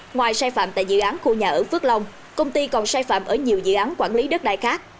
ngoài sai phạm tại dự án khu nhà ở phước long công ty còn sai phạm ở nhiều dự án quản lý đất đai khác